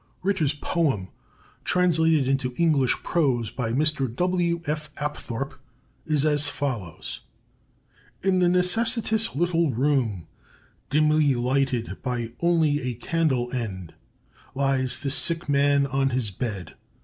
Ritter's poem, translated into English prose by Mr. W. F. Apthorp, is as follows: "In the necessitous little room, dimly lighted by only a candle end, lies the sick man on his bed.